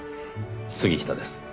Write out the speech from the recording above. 杉下です。